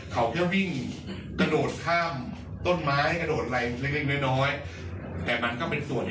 เขาเพียงวิ่งกระโดดข้ามต้นไม้กระโดดไรเล็กเล็กน้อย